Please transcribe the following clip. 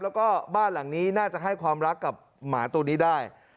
แล้วก็บ้านหลังนี้น่าจะให้ความรักกับหมาตัวนี้ได้